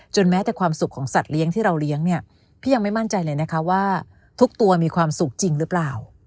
แม้แต่ความสุขของสัตว์เลี้ยงที่เราเลี้ยงเนี่ยพี่ยังไม่มั่นใจเลยนะคะว่าทุกตัวมีความสุขจริงหรือเปล่า